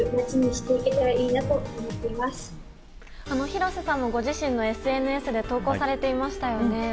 廣瀬さんも、ご自身のＳＮＳで投稿されていましたよね。